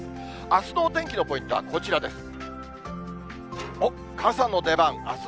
あすのお天気のポイントはこちらです。